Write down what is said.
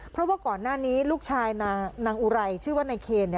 เพราะว่าก่อนหน้านี้ลูกชายนางอุไรชื่อว่านายเคน